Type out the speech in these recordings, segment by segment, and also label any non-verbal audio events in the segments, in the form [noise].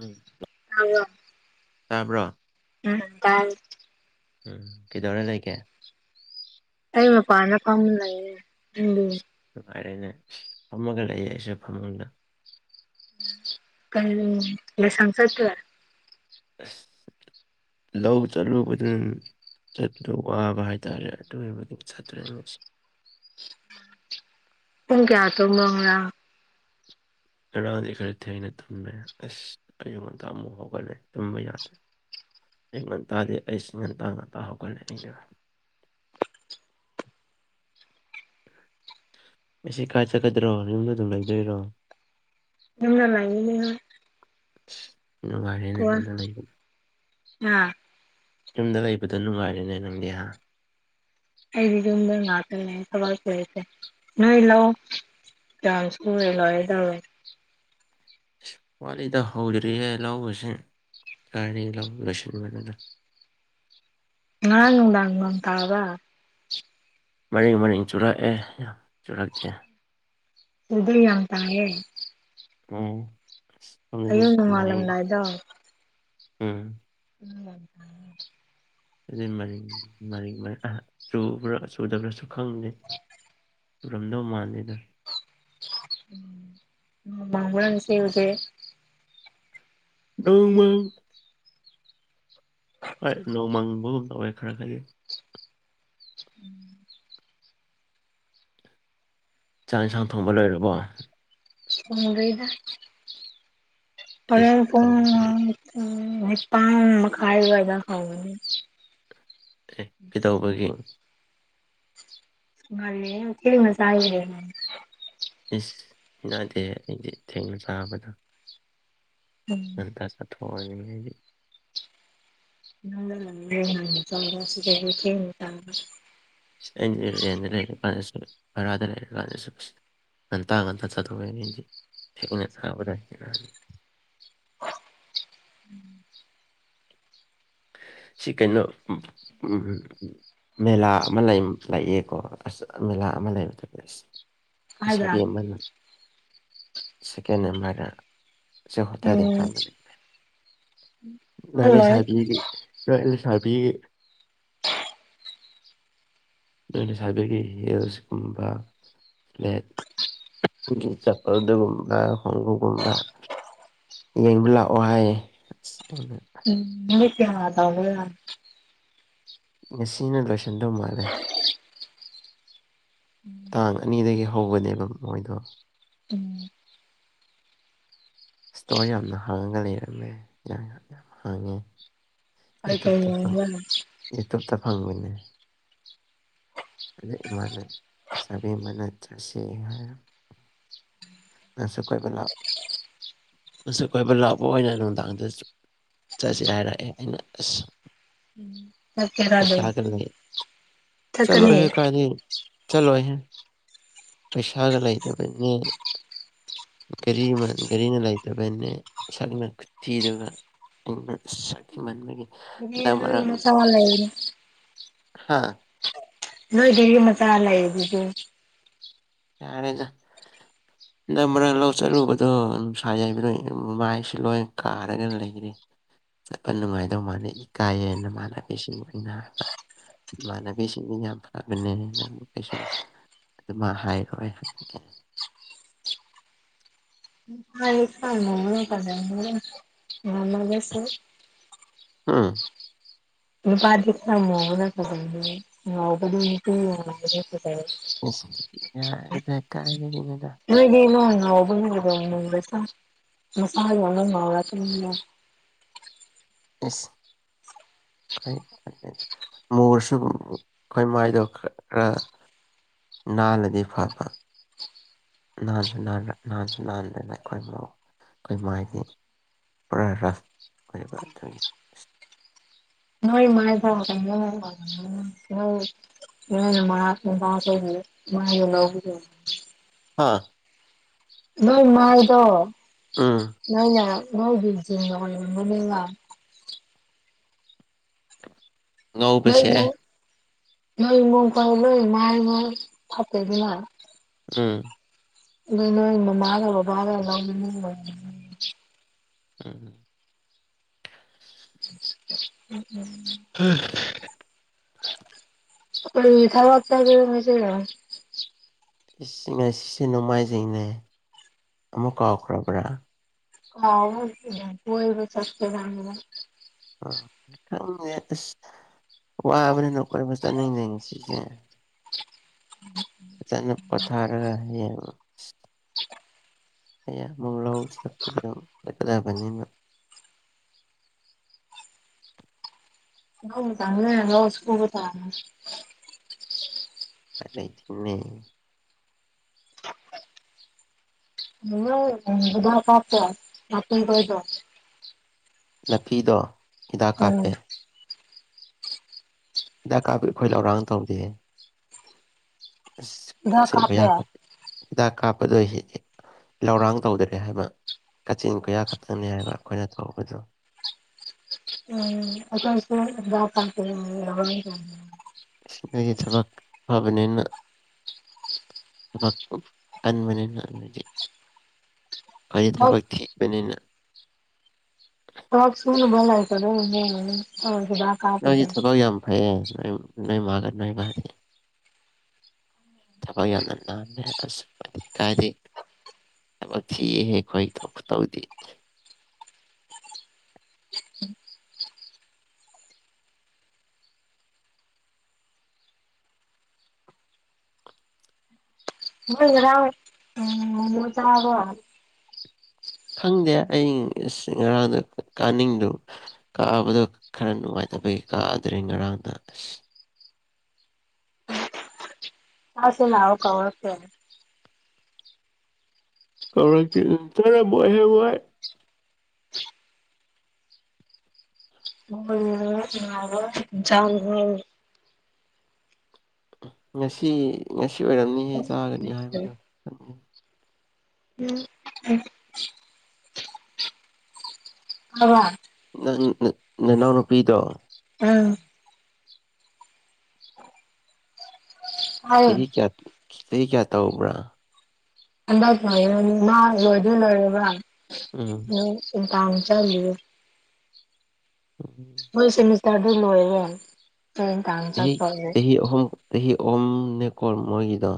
ꯎꯝ ꯑꯣꯋꯥ ꯇꯥꯕ꯭ꯔꯥ ꯎꯝ ꯇꯥꯏ ꯎꯝ ꯀꯩꯗꯧꯔ ꯂꯩꯒꯦ ꯑꯩ ꯃꯄꯥꯟꯗ ꯐꯝ ꯂꯩꯌꯦ ꯑꯁ [unintelligible] ꯅꯨꯡꯉꯥꯏꯔꯦꯅꯦ ꯐꯝꯃꯒ ꯂꯩꯌꯦ ꯑꯩꯁꯨ ꯐꯝꯃꯨꯡꯗ ꯀꯩ ꯂꯤꯁꯥꯡ ꯆꯠ ꯇꯔꯦ ꯑꯁ ꯂꯧ ꯆꯠꯂꯨꯕꯗꯨ ꯆꯠꯄꯗꯨ ꯋꯥꯕ ꯍꯥꯏꯇꯥꯔꯦ ꯑꯗꯨꯏꯕꯨꯗꯤ ꯆꯠꯇ꯭ꯔꯦ ꯑꯁ ꯄꯨꯡ ꯀꯌꯥ ꯇꯨꯝꯕ ꯉꯔꯥꯡ ꯉꯔꯥꯡꯗꯤ ꯈꯔ ꯊꯦꯡꯅ ꯇꯨꯝꯃꯦ ꯑꯁ ꯑꯌꯨꯛ ꯉꯟꯇꯥ ꯑꯃꯨꯛ ꯍꯧꯒꯠꯂꯦ ꯇꯨꯝꯕ ꯌꯥꯗ꯭ꯔꯦ ꯑꯌꯨꯛ ꯉꯟꯇꯥꯗꯤ ꯑꯩꯁ ꯉꯟꯇꯥ ꯉꯟꯇꯥ ꯍꯧꯒꯠꯂꯦ ꯑꯩꯅ ꯉꯁꯤ ꯀꯥꯏ ꯆꯠꯀꯗ꯭ꯔꯣ ꯌꯨꯝꯗ ꯑꯗꯨꯝ ꯂꯩꯗꯣꯏꯔꯣ ꯌꯨꯃꯗꯥ ꯂꯩꯅꯤ ꯍꯥꯏ ꯑꯁ ꯅꯨꯉꯥꯏꯔꯦꯅꯦ ꯌꯨꯝꯗ ꯂꯩꯕ ꯉꯥ ꯌꯨꯝꯗ ꯂꯩꯕꯗꯨ ꯅꯨꯡꯉꯥꯏꯔꯦꯅꯦ ꯅꯪꯗꯤ ꯍꯥ ꯑꯩꯗꯤ ꯌꯨꯝꯗ ꯉꯥꯛꯇꯅꯦ ꯊꯕꯛ ꯁꯨ ꯂꯩꯇꯦ ꯅꯣꯏ ꯂꯧ ꯆꯥꯟꯁ ꯄꯨꯍꯦ ꯂꯣꯏꯔꯦ ꯇꯧꯋꯦ ꯋꯥꯠꯂꯤꯗ ꯍꯧꯗ꯭ꯔꯤꯌꯦ ꯂꯧꯒꯁꯤ ꯀꯥꯏꯗꯩ ꯂꯧ ꯂꫭꯏꯁꯤꯟꯕꯅꫭꯗ ꯉꯔꯥꯡ ꯅꯨꯡꯗꯥꯡ ꯅꫭꯡ ꯇꯕ꯭ꯔꯥ ꯃꯔꯤꯛ ꯃꯔꯤꯛ ꯆꯨꯔꯛꯑꯦ ꯌꯥꯝ ꯆꯨꯔꯛꯇꯦ ꯎꯗꯔꯤ [unintelligible] ꯑꯇꯥꯌꯦꯦ ꯎꯝ ꯁ ꯑꯌꯨꯛ [unintelligible] ꯅꯣꯡꯉꯥꯜꯂꯝꯗꯥꯏꯗꯣ ꯎꯝ ꯎꯝ [unintelligible] ꯑꯗꯨ ꯃꯔꯤꯔꯤ꯭ꯔꯥ [unintelligible] ꯆꯨꯗꯕ꯭ꯔꯥꯁꯨ ꯈꯪꯗꯦ ꯆꯨꯔꯝꯗꯧ ꯃꯥꯟꯗ‌ꯦꯗ ꯃꯪꯅꯁꯗꯦ [unintelligible] ꯗꯃ [unintelligible] ꯍꯣꯏ ꯅꯣꯡꯃꯪꯕꯒꯨꯝ ꯂꯧꯋꯦ ꯈꯔ ꯈꯔꯗꯤ ꯎꯝ [unintelligible] ꯆꯥꯛ ꯏꯟꯁꯥꯡ ꯊꯣꯡꯕ ꯂꯣꯏꯔꯕꯣ ꯊꯣꯡꯗꯔꯤꯗ ꯏꯁ ꯑꯍꫭꯔꯣꯟ ꯊꯣꯡꯗ꯭ꯔꯤ ꯄꯨꯡ ꯅꯤꯄꯥꯟ ꯃꯈꯥꯏ ꯑꯗꯨꯋꯥꯏꯗ ꯍꯧꯒꯅꯤ ꯑꯦ ꯀꯩꯗꯧꯕꯒꯤ ꯉꯜꯂ‌ꯦ ꯊ‌ꯦꯡꯅꯥ ꯆꯥꯏꯌ‌ꯦ ꯏꯁ ꯍꯩꯅꯗꯦ ꯑꯩꯗꯤ ꯊꯦꯡꯅ ꯆꯥꯕꯗꯣ ꯎꯝ ꯉꯟꯇꯥ ꯑꯊꯨꯕ ꯑꯣꯏꯅꯤꯡꯉ [unintelligible] ꯍꯥꯏꯗꯤ ꯅꯪꯪ ꯆ ꯑꯁꯤ [unintelligible] ꯊ ꯆ [unintelligible] ꯦꯟꯗ [unintelligible] ꯂꯩꯔ ꯀꯥꯟꯗꯁꯨ ꯕꯔꯥꯗ ꯂꯩꯔ ꯀꯥꯟꯗꯁꯨ ꯉꯟꯇꯥ ꯉꯟꯇ ꯆꯥꯊꯣꯛꯑꯦ ꯑꯩꯗꯤ ꯊꯦꯡꯅ ꯆꯥꯕꯗ ꯍꯦꯅꯅꯤ [unintelligible] ꯎꯝ [unintelligible] ꯁꯤ ꯀꯩꯅꯣ ꯃꯦꯂꯥ ꯑꯃ ꯂꯩ ꯂꯑꯦꯀꯣ ꯑꯁ ꯃꯦꯂꯥ ꯑꯃ ꯂꯩꯕꯗ‌ꯦ ꯑꯁ ꯍꯥꯏꯕ꯭ꯔꯥ ꯂꯩꯁꯥꯕꯤ ꯑꯃꯅ ꯁꯦꯀꯦꯟ ꯑꯦꯝꯃꯔꯗꯥ ꯆꯧ ꯍꫭꯇ‌ꯦꯜꯗꯤ ꯎꯝ ꯐꯝꯕꯅꯤ ꯅꯅꯦ [unintelligible] ꯍꯜꯂꯣꯏ ꯁꯥꯕꯤ ꯂꯩꯁꯅꯥꯄꯤꯤ [unintelligible] [unintelligible] ꯅꯣꯏ ꯂꯩꯁꯕꯤꯒꯤ ꯍꯜꯁꯀꯨꯝꯕ ꯐ꯭ꯂꯦꯠ [unintelligible] ꯎ [unintelligible] ꯆꯥꯝꯄꯜꯗꯨ ꯀꯨꯝꯕꯥ ꯈꫭꯡꯒꯨꯞ ꯀꯨꯝꯕꯥ ꯌ‌ꯦꯡꯕ ꯂꯥꯛꯑꯣ ꯍꯥꯏꯌꯦ ꯑꯁ ꯎꯝ ꯀꯦ ꯑꯣꯏ [unintelligible] ꯉꯁꯤꯅ ꯂꯣꯏꯁꯤꯟꯗꯧ ꯃꯥꯜꯂꯦ [inaudible] ꯇꯥꯡ ꯑꯅꯤꯗꯒꯤ ꯍꯧꯕꯅꯦꯕ ꯃꯣꯏꯗꯣ ꯎꯝ ꯏꯁꯇꯣꯜ ꯌꯥꯝꯅ ꯍꯥꯡꯉꯒ ꯂꯩꯔꯝꯃꯦ ꯌꯥꯝ ꯍꯥꯡꯉꯦ ꯀꯩ ꯀꯩ ꯌꯨꯇꯨꯕꯇ ꯐꯪ ꯌꯦꯡꯕ꯭ꯔꯥ ꯌꯨꯇꯨꯕꯇ ꯐꯪꯕꯅꯦ ꯑꯗ ꯏꯃꯥꯅꯥꯕꯤꯃꯅ [unintelligible] ꯆꯠꯁꯤ ꯉꯁꯨꯛ ꯀꯣꯏꯕ ꯂꯥꯛꯄ ꯑꯁꯨꯛ [unintelligible] ꯀꯣꯏꯕ ꯂꯥꯛꯄ ꯑꯣꯏꯅ ꯅꯨꯡꯗꯥꯡꯗꯁꯨ ꯆꯠꯁꯤ ꯍꯥꯏꯔꯛꯑꯦ ꯑꯩꯅ ꯑꯁ ꯆꯠꯀꯦꯔ ꯑꯗꯨꯝ ꯄꯩꯁꯥꯒ ꯂꯩ ꯆꯠꯂꯣꯏꯍ‌ꯦ ꯀꯥꯏꯗꯩ ꯆꯠꯂꯣꯍꯦ ꯄꯩꯁꯥꯒ ꯂꯩꯇꯕꯅꯦ ꯒꯥꯔꯤ ꯒꯥꯔꯤꯅ ꯂꯩꯇꯕꯅꯦ ꯁꯛꯅ ꯈꯨꯊꯤꯗꯨꯒ ꯁ ꯃꯕ ꯃꯔ ꯒꯥꯔꯤ ꯃꯆꯥ ꯂꯩ ꯍꯥ [unintelligible] ꯅꯣꯏ ꯒꯔꯤ ꯃꯆꯥ ꯂꯩꯗꯨꯗꯤ ꯌꯥꯔ‌ꯦꯗ ꯍꯟꯗꯛ ꯃꯔꯛ ꯂꯧ ꯆꯠꯂꯨꯕꯗꯣ ꯅꯨꯡꯁꯥ ꯌꯥꯏꯕꯗ ꯃꯥꯏꯁꯤ ꯂꯣꯏ ꯀꯥꯔꯒ ꯂꯩꯕꯅ‌ꯦ ꯆꯠꯄ ꯅꯨꯡꯉꯥꯏꯗꯧ ꯃꯥꯥꯟꯗ‌ꯦ ꯏꯀꯥꯏꯌ‌ꯦꯅ ꯃꯅ ꯃꯥꯃꯥꯟꯅꯕꯤꯁꯤꯡ [unintelligible] ꯑꯣꯏꯅ ꯍꯥꯏ ꯏꯃꯥꯟꯅꯕꯤꯁꯤꯡꯗꯤ ꯌꯥꯝ ꯐꯕꯅꯦ ꯅ ꯑꯃ ꯀꯩꯁꯨꯝ ꯑꯗꯨꯃ ꯍꯥꯏꯈ꯭ꯔꯣꯏ [unintelligible] ꯑꯃꯒꯁꯨ ꯎꯝ ꯅꯨꯄꯥꯗꯤ ꯈꯃꯣ ꯅꯗ [unintelligible] ꯑꯣ ꯌꯥ ꯏꯗ ꯀꯥꯏꯅꯗ ꯅꫭꯏꯗꯤꯃ ꯑꯣꯅꯦꯁ ꯃꯁꯥꯟꯅ ꯃꯥ ꯏꯁ ꯍꯣꯏ ꯃꯣꯔꯁꯨ ꯑꯩꯈꯣꯏ ꯃꯥꯏꯗꯣ ꯈꯔ ꯅꯥꯜꯂꯗꯤ ꯐꯕ ꯅꯍꯥꯟꯁꯨ ꯅꯍꯥꯟꯁꯨ ꯍꯟꯗꯅ ꯑꯩꯈꯣꯏ ꯃ ꯑꯩꯈꯣꯏ ꯃꯥꯏꯗꯤ ꯄꯨꯔꯥ ꯔꯁ ꯑꯣꯏꯕ ꯑꯗꯨꯒꯤ ꯅꯣꯏ ꯃꯥꯏ [unintelligible] [unintelligible] ꯍꯥꯥ ꯅꯣ ꯃꯥꯏꯗꯣ ꯎꯝ ꯅꯥꯏꯅ ꯉꯣꯏ [unintelligible] ꯉꯧꯕꯁꯦ ꯃꯣꯏꯃ ꯅꯣꯏꯃꯨꯡ ꯐꯔ ꯂꫭꯏ ꯃꯥꯏ ꯉ ꯐꯦꯗꯅꯥ ꯎꯝ ꯑꯗꯨ ꯅꯣꯏ ꯃꯃꯥꯒ ꯕꯕꯥꯒ ꯅꯒꯤ ꯎꯝ [unintelligible] ꯍꯔ ꯑꯩꯈ ꯊꯥꯕ ꯆ ꯉꯁꯤ ꯑꯁꯤ ꯑꯁꯤꯁꯦ ꯅꯣꯡꯃꯥꯏꯖꯤꯡꯅꯦ ꯑꯃꯨ ꯀꯥꯎꯈ꯭ꯔꯕ꯭ꯔꯥ ꯑꯥꯎꯣꯏꯕ ꯆꯠꯄ ꯗ ꯎ ꯈꯪꯗ ꯑꯁ ꯋꯥꯕꯅ ꯅꯈꯣꯏ ꯑꯃ ꯆꯠꯅꯤꯡꯗꯦ ꯉꯁꯤꯁꯦ [unintelligible] ꯑꯆꯅ ꯄꫭꯊꯔ [unintelligible] ꯍ ꯇꯃꯦ ꯂꯣꯁꯨꯕ ꯇꯔ ꯑꯩꯁꯨꯅ [unintelligible] [unintelligible] [unintelligible] [unintelligible] ꯅꯥꯐꯤꯗꯣ ꯍꯤꯗꯥꯛ ꯎꯝ ꯀꯥꯞꯄꯦ ꯍꯤꯗꯥꯛ ꯀꯥꯕꯨ ꯑꯩꯈꯣꯏ ꯂꯧꯔꯥꯡ ꯇꯧꯗꯦ ꯑꯁ ꯍꯤꯗꯥꯛ ꯀꯛꯆꯤꯡ ꯀꯥꯞꯄꯦ ꯑꯩꯏꯌꯥ ꯍꯤꯗꯥꯛ ꯀꯥꯞꯄꯗꯣꯏ ꯍꯦꯛ ꯂꯧꯔꯥꯡ ꯇꯧꯗ꯭ꯔꯦ ꯍꯥꯏꯕ ꯀꯥꯆꯤꯟ ꯀꯣꯏꯌꯥ ꯈꯛꯇꯪꯅꯤ ꯍꯥꯏꯕ ꯑꯩꯈꯣꯏꯅ ꯊꯣꯛꯕꯗꯣ ꯎꯝ ꯑ [unintelligible] ꯅꫭꯏꯗꯤ ꯊꯕꯛ ꯐꯕꯅꯤꯅ ꯊꯕꯛ ꯇꯨꯀꯟꯕ ꯅꯤꯅ ꯐꯔꯤ ꯍꯣꯏ ꯊꯕꯛ ꯊꯕꯅꯤꯅ ꯊꯕꯛ [unintelligible] ꯅꯣꯏꯁꯤ ꯊꯕꯛ ꯌꯥꯝ ꯐꯩꯌꯦ ꯅꯣꯏ ꯅꯣꯏ ꯃꯥꯒ ꯅꯣꯏ ꯃꯥꯁꯦ ꯊꯕꯛ ꯌꯥꯝꯅ ꯄꯥꯝꯃꯤ [unintelligible] ꯊꯕꯛ ꯊꯤꯍꯦ ꯑꯩꯈꯣꯏ ꯈꯨ ꯇꯧꯗꯦ ꯅꫭꯏ ꯉꯔꯥꯡ [unintelligible] ꯆꯕꯔꫭ ꯈꯪꯗꯦ ꯑꯩ ꯉꯔꯥꯡꯗ ꯀꯥꯅꯤꯡꯗꯕ ꯀꯥꯕꯗꯣ ꯈꯔ ꯅꯨꯡꯉꯥꯏꯇꯕꯒꯤ ꯀꯥꯗ꯭ꯔꯦ ꯉꯔꯥꯡꯗ ꯑꯁ ꯑꯁꯦꯅ ꯀ ꯑꯣꯔꯀꯦ ꯀꯧꯔꯛꯇ ꯆꯥꯔꯝ ꯃꯣꯏ ꯍꯦ ꯃꯣꯏ ꯖꯝ ꯍ [inaudible] ꯉꯁꯤ ꯉꯁꯤ ꯑꯣꯏꯔꯝꯅꯤꯍꯦ ꯆꯥꯒꯅꯤ ꯍꯥꯏꯕꯗꯣ ꯈꯪꯗꯦ ꯎꯝ ꯑ [inaudible] ꯅꯪ ꯅꯅꯥꯎ ꯅꯨꯄꯤꯗꯣ ꯎꯝ ꯑ [inaudible] ꯆꯍꯤ ꯀꯌꯥ ꯆꯍꯤ ꯀꯌꯥ ꯇꯧꯕ꯭ꯔꯥ ꯑꯗ ꯉ ꯃꯥ ꯂꯨ ꯂꯔꯦ ꯃꯥ [inaudible] ꯎꯝ ꯑ ꯀꯝ ꯆꯂ [inaudible] ꯎꯝꯝ ꯃꯣꯏ ꯁꯦꯃꯤꯁꯇꯔꯗꯣ ꯂꯣꯏꯔꯦ ꯍꯣꯔꯦꯟ ꯅꯨꯡꯗꯥꯡ ꯆꯍꯤ ꯆꯠꯇꯣꯢꯅꯦ ꯆꯍꯤ ꯑꯍꯨꯝ ꯆꯍꯤ ꯑꯍꯨꯝ ꯅꯦ ꯀꯣ ꯃꯣꯏꯒꯤꯗꯣ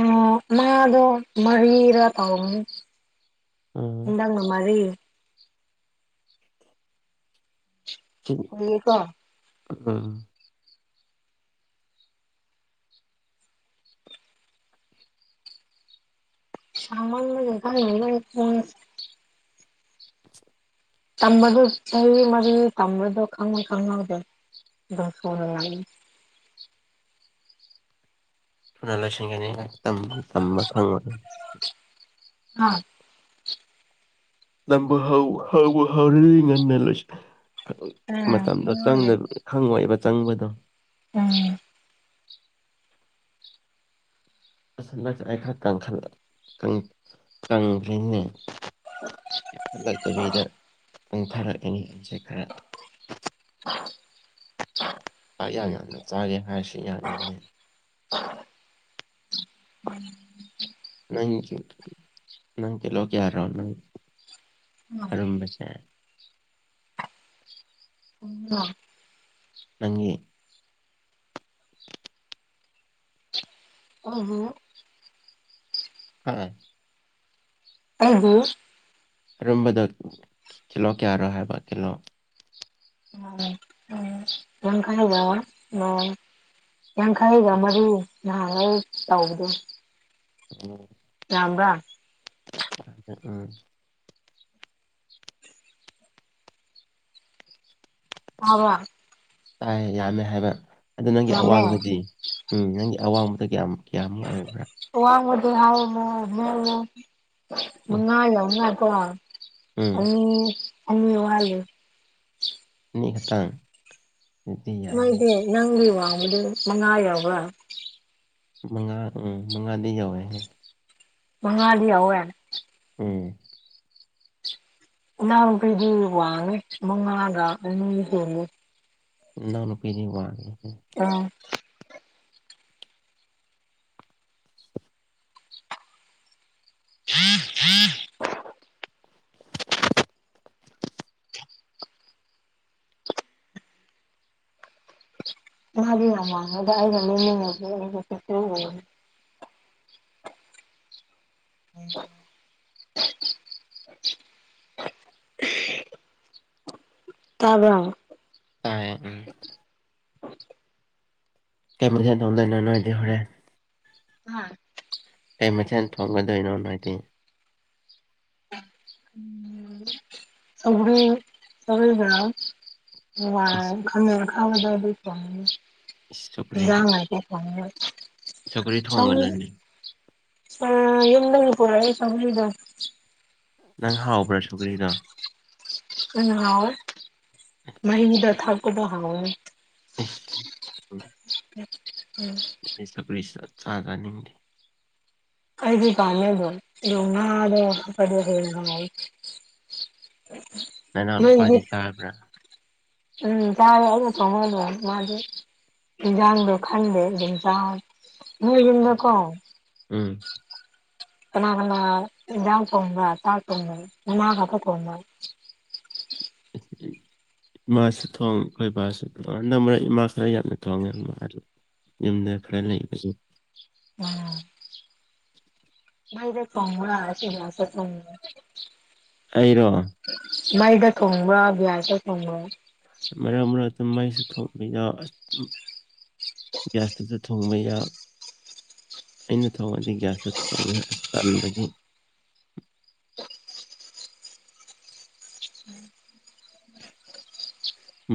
ꯑꯣ ꯃꯤꯗꯣ ꯃꯔꯤꯔꯥ ꯇꯥꯎꯕꯅꯦ ꯎꯝ ꯍꯥꯟꯗꯥꯛꯅ ꯃꯔꯤ ꯎ [inaudible] ꯍꯀ [inaudible] ꯎꯝ ꯁꯃꯥꯟ ꯃꯦ ꯀꯥꯏ ꯐ [inaudible] ꯇꯝꯕꯗꯣ ꯆꯍꯤ ꯃꯔꯤ ꯇꯝꯕꯗꯣ ꯈꯪꯉꯧ ꯈꯪꯍꯧꯗꯦ ꯑꯗꯨꯝ ꯊꯨꯅ ꯂꯣꯏꯁꯤꯟꯒꯅꯤ ꯇꯝꯕ ꯐꯪꯉꯣꯢ ꯍꯥ ꯇꯝ [inaudible] ꯇꯝꯕꯨ ꯍꯧꯕ ꯍꯧꯔꯗꯤ ꯉꯟꯅ ꯂꯁꯤ ꯎꯝ ꯃꯇꯝꯗ ꯈꯪꯍꯧꯗꯦ ꯆꯪꯅꯕ ꯈꯪꯉꯣꯏꯕ ꯆꯪꯕꯗꯣ ꯎꯝ ꯑꯁꯟꯗꯁ ꯑꯩ ꯈꯔ ꯀꯪꯈ꯭ꯔꯤꯅꯦ [inaudible] ꯌꯥꯝꯈꯠꯂꯛꯇꯕꯤꯗ ꯄꯪꯊꯔꯛꯀꯅꯤ ꯍꯥꯏꯁꯦ ꯈꯔ ꯑ [inaudible] [inaudible] ꯆꯥꯛ ꯌꯥꯝꯅ ꯆꯥꯒꯦ ꯍꯥꯏꯔꯁꯨ ꯌꯥꯗꯦꯅꯦ ꯑ [unintelligible] ꯅꯪꯒꯤ ꯅꯪ ꯀꯤꯂꯣ ꯀꯌꯥꯔꯣ ꯅꯪ ꯑꯔꯨꯝꯕꯁꯦ ꯑꯣ [inaudible] ꯅꯪꯒꯤ ꯑꯣ ꯍꯣ [inaudible] ꯍꯥ ꯑ ꯍꯣ [inaudible] ꯑꯔꯨꯝꯕꯗꯣ ꯀꯤꯜꯍꯣ ꯀꯌꯥꯔꯣ ꯍꯥꯏꯕ ꯀꯤꯜꯂꯣ ꯎ ꯎ ꯂꯈꯕ [inaudible] ꯌꯥꯡꯈꯩꯒ ꯃꯔꯤ ꯅꯍꯥꯟ ꯂꯩꯕꯗꯣ ꯎꯝ [inaudible] ꯌꯥꯝꯕꯔꯥ ꯎꯝ ꯇꯥꯕꯔꯥ ꯇꯥꯏ ꯌꯥꯝꯃꯦ ꯍꯥꯏꯕ ꯑꯗꯨꯗꯤ ꯅꯪꯒꯤ ꯌꯥꯝꯃꯦ ꯑꯋꯥꯡꯕꯗꯤ ꯎꯝ ꯅꯪꯒꯤ ꯑꯋꯥꯡꯕꯗꯤ ꯀꯌꯥꯝ ꯀꯌꯥꯃꯨꯛ ꯑꯣꯏꯕ꯭ꯔꯥ ꯑꯋꯥꯡꯕꯗꯤ ꯍꯥꯎꯅ ꯃꯉꯥ ꯌꯥꯎꯅꯥꯢꯀꯣ ꯎꯝ ꯑꯅꯤ ꯑꯅꯤ ꯋꯥꯠꯂꯤ ꯑꯅꯤ ꯈꯤꯇꯪ ꯅꯣꯏꯗꯤ ꯅꯪꯒꯤ ꯋꯥꯡꯕꯗꯨ ꯃꯉꯥ ꯌꯥꯎꯕ꯭ꯔ ꯃꯉꯥ ꯎꯝ ꯃꯉꯥꯗꯤ ꯌꯧꯋꯦꯍ ꯃꯉ ꯂꯂꯤꯌꯥ ꯍꯥꯏꯅ ꯑꯣꯝ ꯏꯅꯥꯎꯅꯨꯄꯤꯗꯤ ꯋꯥꯉꯦ ꯃꯉꯥꯗ ꯑꯅꯤ ꯍꯨꯅꯤ ꯏꯅꯥꯎ ꯅꯨꯄꯤꯗꯤ ꯋꯥꯉꯦ ꯑ ꯃꯥꯔꯤ ꯃꯥꯉꯗꯩꯅꯃꯤ ꯍꯣꯏ ꯇꯥꯕ꯭ꯔ ꯑ ꯀꯦꯃꯦꯁꯦꯟ ꯂꯩꯅꯅ ꯍꯥꯏꯗꯤ ꯍꯣꯔꯦ ꯍꯝ ꯀ ꯃꯊꯦꯜ ꯊꯣꯛꯣꯡꯒꯗꯣꯏꯅꯣ ꯍꯥꯏꯗꯤ ꯁ ꯁꯒ ꯃ ꯃꯥ ꯏꯁ ꯈꯃꯦꯔ ꯈꯥꯕꯗꯖꯥꯏ ꯏꯁ ꯁꯧꯒ꯭ꯔꯤ ꯁꯧꯒ꯭ꯔꯤ ꯆ ꯊꯣꯡꯒꯅꯨꯅꯦ ꯑ ꯌꯨꯝꯗ ꯄꯨꯔ ꯆꯗ ꯅꯪ ꯍꯥꯎꯕ꯭ꯔꯥ ꯁꯨꯒ꯭ꯔꯤꯗꯣ ꯎ ꯃꯗ ꯊꯒꯨꯕꯍ ꯎ ꯎ ꯎꯝ ꯆꯀ꯭ꯔꯤꯁ ꯆꯠ ꯆꯥ ꯆꯥꯅꯤꯡꯗꯦ ꯑꯩꯗꯤ ꯀꯥꯃ ꯇ ꯎꯅꯥꯗ ꯄꯑꯣ ꯎ ꯅꯅꯥꯎ ꯅꯨꯄꯥꯗꯤ ꯇꯥꯕ꯭ꯔꯥ ꯎꯝ ꯀꯥꯥꯏ ꯑꯗꯨ ꯊꯃ ꯑꯗꯨ ꯃꯥ ꯌꯥꯗ ꯈꯗꯦ ꯆ ꯅꯗ ꯀꯣ ꯎꯝ ꯃ ꯌꯥꯎ ꯇꯉꯝꯕ ꯇꯥꯥꯛ ꯇꯣꯉ ꯃꯥꯒ ꯑꯄꯥ ꯇꯝꯕ [unintelligible] ꯏꯃꯥꯁꯨ ꯊꯣꯡꯉꯦ ꯑꯩꯈꯣꯏ ꯏꯕꯥꯁꯨ ꯊꯣꯡꯅ ꯃꯔꯛ ꯏꯃꯥ ꯈꯔ ꯌꯥꯝꯅ ꯊꯣꯡꯉꯦ ꯃꯥ ꯌꯨꯝꯗ ꯈꯔ ꯂꯩꯕꯁꯦ ꯎꯝ ꯃꯔ ꯐꯣꯅ ꯁꯤ ꯃꯥꯁ ꯐ ꯑꯩꯔꯣ ꯃꯩꯗ ꯊꯣꯡꯕ꯭ꯔꯥ ꯕꯤꯤꯌꯥꯁꯇ ꯊꯣꯡꯕ꯭ꯔꯥ ꯃꯔꯛ ꯃꯔꯛꯇ ꯃꯩꯁ ꯊꯣꯛꯣꯡꯂꯤꯗ ꯒ꯭ꯌꯥꯁꯇꯁꯨ ꯊꯣꯡꯕ ꯌꯥ ꯑꯩꯅ ꯊꯣꯡꯉꯗꯤ ꯒ꯭ꯌꯥꯁꯇ ꯊꯣꯡꯉꯦ ꯑꯁ ꯇꯟꯕꯒꯤ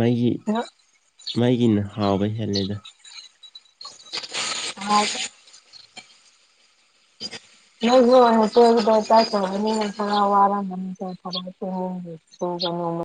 ꯃꯩꯒꯤ ꯃꯩꯒꯤꯅ ꯍꯥꯎꯕ ꯍꯦꯜꯂꯦꯗ ꯍ ꯆ ꯊꯔꯔ ꯊꯔ ꯍꯣꯡꯦ ꯍ ꯍ ꯍ